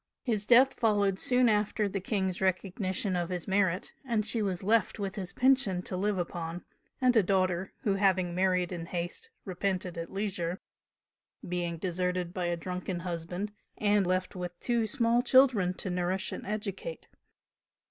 His death followed soon after the King's recognition of his merit, and she was left with his pension to live upon, and a daughter who having married in haste repented at leisure, being deserted by a drunken husband and left with two small children to nourish and educate.